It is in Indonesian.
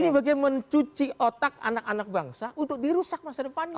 ini bagaimana mencuci otak anak anak bangsa untuk dirusak masa depannya